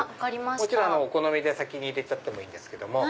もちろんお好みで先に入れてもいいんですけども。